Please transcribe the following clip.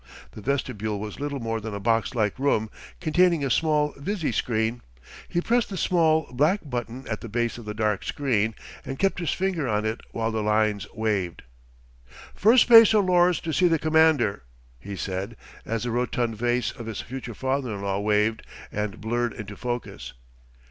The vestibule was little more than a box like room, containing a small visi screen. He pressed the small, black button at the base of the dark screen and kept his finger on it while the lines waved. "Firstspacer Lors to see the Commander," he said, as the rotund face of his future father in law waved and blurred into focus.